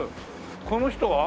この人は？